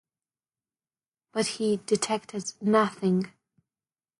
But he detected nothing.